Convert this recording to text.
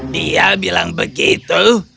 dia bilang begitu